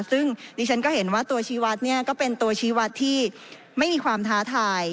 ซึ่งดิฉันก็เห็นว่าตัวชีวัตรเนี่ยก็เป็นตัวชี้วัดที่ไม่มีความท้าทาย